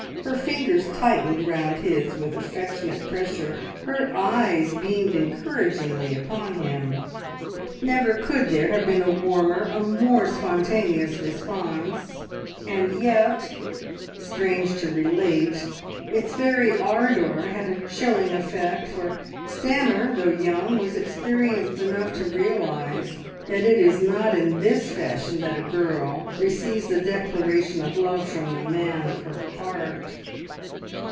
Her fingers tightened round his with affectionate pressure, her eyes beamed encouragingly upon him. Never could there have been a warmer, a more spontaneous response, and yet, strange to relate, its very ardour had a chilling effect, for Stanor, though young, was experienced enough to realise that it is not in this fashion that a girl receives a declaration of love from the man of her heart.